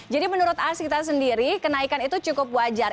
jadi menurut asita sendiri kenaikan itu cukup wajar